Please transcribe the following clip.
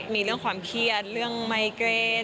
มีเรื่องความเครียดเรื่องไมเกรน